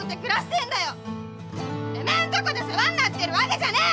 てめえんとこで世話になってるわけじゃねえ！